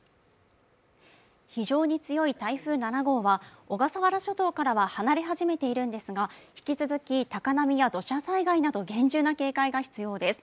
非常に強い台風７号は小笠原諸島からは離れ始めているんですが、引き続き高波や土砂災害など厳重な警戒が必要です。